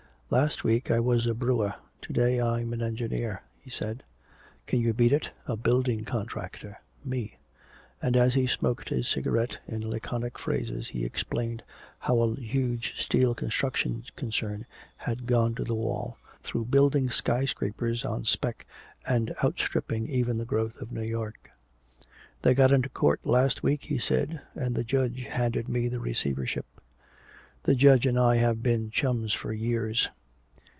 "Last week I was a brewer, to day I'm an engineer," he said. "Can you beat it? A building contractor. Me." And as he smoked his cigarette, in laconic phrases he explained how a huge steel construction concern had gone to the wall, through building skyscrapers "on spec" and outstripping even the growth of New York. "They got into court last week," he said, "and the judge handed me the receivership. The judge and I have been chums for years.